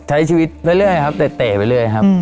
ใช้ชีวิตเรื่อยครับเตะไปเรื่อยครับ